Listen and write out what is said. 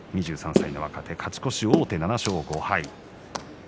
２３歳の若手勝ち越し王手７勝５敗です。